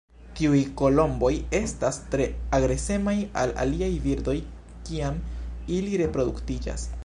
Tiuj kolomboj estas tre agresemaj al aliaj birdoj kiam ili reproduktiĝas.